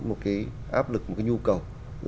một cái áp lực một cái nhu cầu